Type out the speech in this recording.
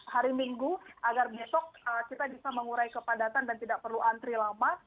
hari minggu agar besok kita bisa mengurai kepadatan dan tidak perlu antri lama